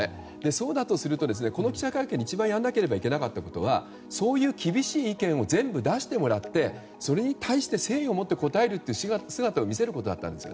そうだとするとこの記者会見で一番やらなければいけなかったことはそういう厳しい意見を全部出してもらってそれに対して、誠意を持って答えるという姿を見せることだったんです。